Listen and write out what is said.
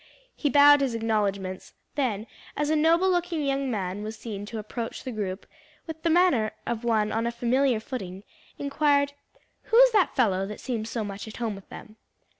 He bowed his acknowledgments, then, as a noble looking young man was seen to approach the group with the manner of one on a familiar footing inquired, "Who is that fellow that seems so much at home with them?"